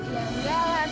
ya enggak lah